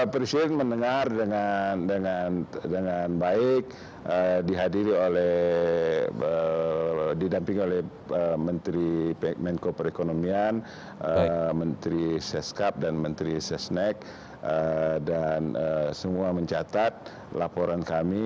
presiden mendengar dengan baik didampingi oleh menteri menko perekonomian menteri sescap dan menteri sesnek dan semua mencatat laporan kami